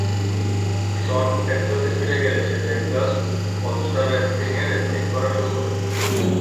শন টেক্সাসে ফিরে গেলে সে টেক্সাস অল স্টার রেসলিং এ রেসলিং করা শুরু করে।